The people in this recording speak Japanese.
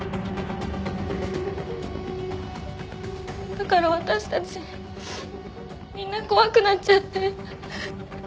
だから私たちみんな怖くなっちゃって。